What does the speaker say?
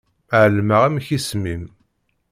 Ԑelmeɣ amek isem-im.